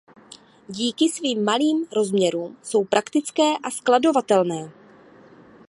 Díky svým malým rozměrům jsou praktické a skladovatelné.